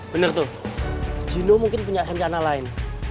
bener tuh gino mungkin punya rencana lain